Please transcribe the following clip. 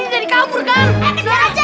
emang waktunya sirahan